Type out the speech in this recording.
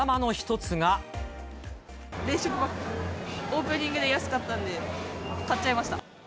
オープニングで安かったんで、買っちゃいました。